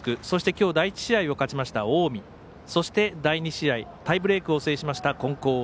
そして、きょう第１試合を勝ちました近江そして、第２試合タイブレークを制しました金光